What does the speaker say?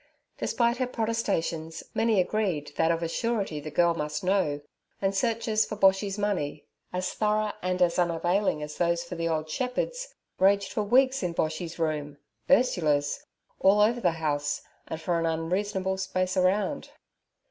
Despite her protestations, many agreed that of a surety the girl must know, and searches for Boshy's money—as thorough and as unavailing as those for the old shepherd's—raged for weeks in Boshy's room, Ursula's, all over the house, and for an unreasonable space around.